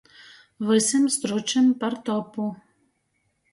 Vysim stručim par topu.